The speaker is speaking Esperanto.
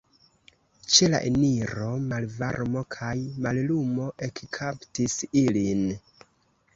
Ĉe la eniro malvarmo kaj mallumo ekkaptis ilin.